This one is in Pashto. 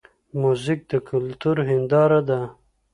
موزیک د کلتور هنداره ده.